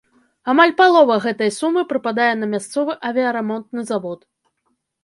Амаль палова гэтай сумы прыпадае на мясцовы авіярамонтны завод.